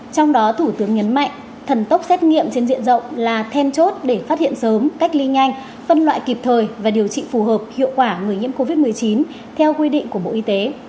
trong đó thủ tướng nhấn mạnh thần tốc xét nghiệm trên diện rộng là then chốt để phát hiện sớm cách ly nhanh phân loại kịp thời và điều trị phù hợp hiệu quả người nhiễm covid một mươi chín theo quy định của bộ y tế